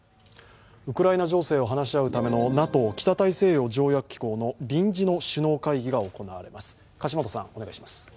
ウクライナ情勢を話し合うためのＮＡＴＯ＝北大西洋条約機構の臨時の首脳会議が行われます。